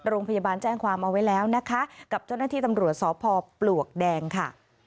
โรงพยาบาลแจ้งความเอาไว้แล้วนะคะกับเจ้าหน้าที่ตำรวจสพปลวกแดงค่ะ